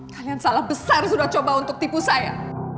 kalian salah besar sudah coba untuk tipu saya